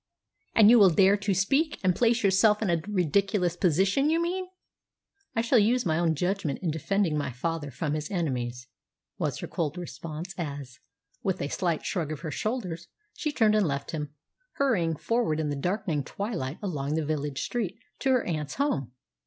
"And you will dare to speak, and place yourself in a ridiculous position, you mean?" "I shall use my own judgment in defending my father from his enemies," was her cold response as, with a slight shrug of her shoulders, she turned and left him, hurrying forward in the darkening twilight along the village street to her aunt's home.